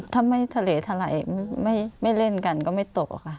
ถ้าไม่ทะเลทะไหลไม่เล่นกันก็ไม่ตกค่ะ